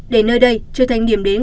để nơi đây trở thành điểm đến